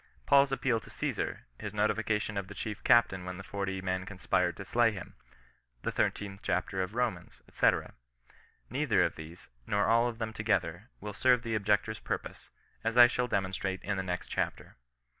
Paul's appeal to Osesar, his notification of the chief captain when the forty men conspired to slay him, the thirteenth chapter of Komans, &c. Neither of these, nor all of them to gether, will serve the objector's purpose, as I shall de monstrate in the next chapter.